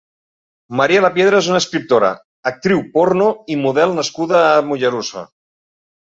María Lapiedra és una escriptora, actriu porno i model nascuda a Mollerussa.